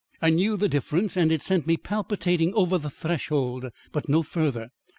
I knew the difference and it sent me palpitating over the threshold; but no further.